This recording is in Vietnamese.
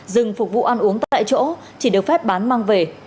dừng phục vụ ăn uống tại chỗ chỉ được phép bán mang về